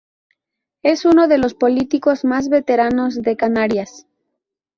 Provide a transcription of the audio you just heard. Es uno de los políticos más veteranos de Canarias.